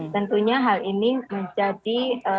tentunya hal ini menjadi